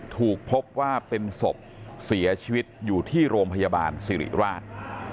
ถูกพบว่าเป็นศพเสียชีวิตอยู่ที่โรงพยาบาลสิริราช